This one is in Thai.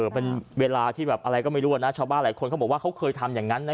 เป็นเวลาที่แบบอะไรก็ไม่รู้นะชาวบ้านหลายคนเขาบอกว่าเขาเคยทำอย่างนั้นนะ